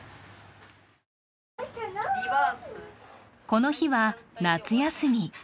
この日は夏休み。